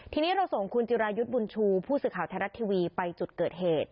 ทีนี้เราส่งคุณจิรายุทธ์บุญชูผู้สื่อข่าวไทยรัฐทีวีไปจุดเกิดเหตุ